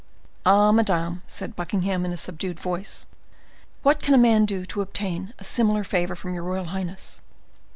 "Ah! madam," said Buckingham, in a subdued voice, "what can a man do to obtain a similar favor from your royal highness?"